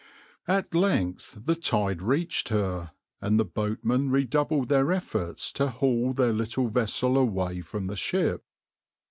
\par At length the tide reached her, and the boatmen redoubled their efforts to haul their little vessel away from the ship.